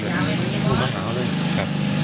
ยาก